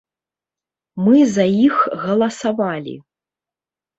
Мы за іх галасавалі.